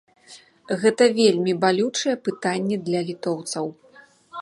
Гэта вельмі балючае пытанне для літоўцаў.